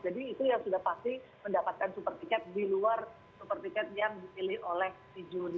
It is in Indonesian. jadi itu yang sudah pasti mendapatkan super tiket di luar super tiket yang dipilih oleh si juri